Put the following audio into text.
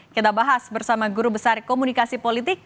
kita bahas bersama guru besar komunikasi politik